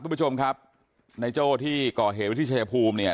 ทุกผู้จมครับในโจ้ที่ก่อเหตุวิทยาภูมิ